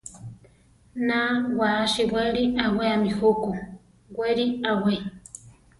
Na wáasi wéli aweami juku; weri awé.